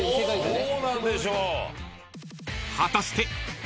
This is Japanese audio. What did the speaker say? どうなんでしょう？